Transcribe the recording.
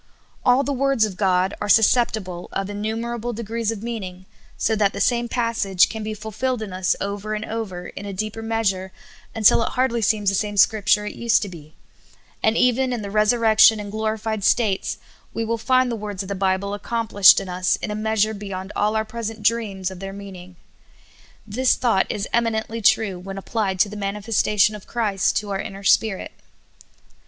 All the words of God are susceptible of innumera ble degees of meaning, so that the same passage can be fulfilled in us over and over, in a deeper measure, until it hardly seems the same Scripture it used to be ; IN DKEPER DEGREES. 63 and even in the resurrection and glorified states, we will find the words of the Bible accomplished in us in a measure beyond all our present dreams of their mean ing. This thought is eminently true when applied to the manifestation of Christ to our inner spirit.